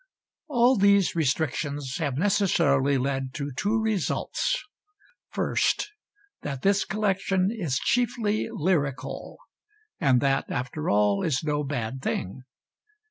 All these restrictions have necessarily led to two results. First, that this collection is chiefly lyrical and that, after all, is no bad thing.